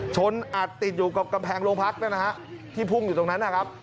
อัดติดอยู่กับกำแพงโรงพักนั่นนะฮะที่พุ่งอยู่ตรงนั้นนะครับ